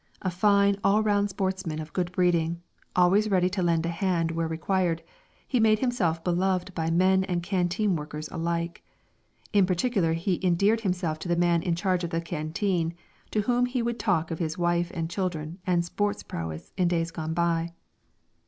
A fine all round sportsman of good breeding, always ready to lend a hand where required, he made himself beloved by men and canteen workers alike. In particular he endeared himself to the man in charge of the canteen, to whom he would talk of his wife and children and sports prowess in days gone by.